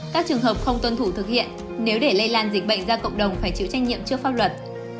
các trường hợp không tuân thủ thực hiện nếu để lây lan dịch bệnh ra cộng đồng phải chịu trách nhiệm trước pháp luật